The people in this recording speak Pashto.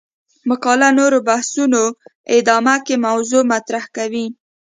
مقاله نورو بحثونو ادامه کې موضوع مطرح کوي.